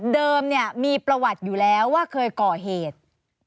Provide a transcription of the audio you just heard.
เดิมนี่มีประวัติอยู่แล้วว่าเคยเกาะเหตุ